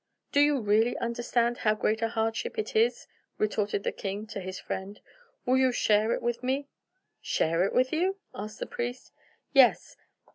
"Do you really understand how great a hardship it is?" retorted the king to his friend. "Will you share it with me?" "Share it with you?" asked the priest. "Yes!